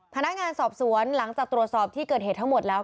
พนักงานสอบสวนหลังจากตรวจสอบที่เกิดเหตุทั้งหมดแล้ว